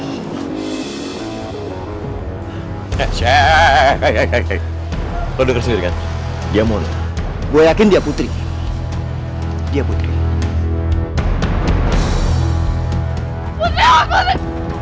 yang saya kayaknya kondukir sendiri dia mau gue yakin dia putri dia putri putri